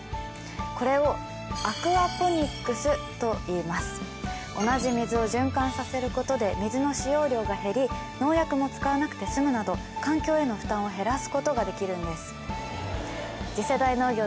これをといいます同じ水を循環させることで水の使用量が減り農薬も使わなくてすむなど環境への負担を減らすことができるんです